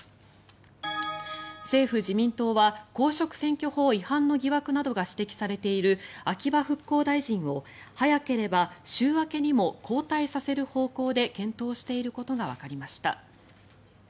政府・自民党は公職選挙法違反の疑惑などが指摘されている秋葉復興大臣を早ければ週明けにも交代させる方向で検討していることがわかりました。